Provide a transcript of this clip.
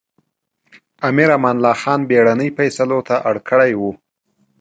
امیر امان الله خان بېړنۍ فېصلو ته اړ کړی و.